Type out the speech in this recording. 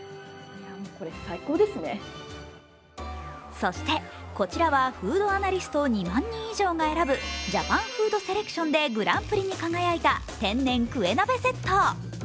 そしてこちらはフードアナリスト２万人以上が選ぶジャパン・フード・セレクションでグランプリに輝いた天然クエ鍋セット。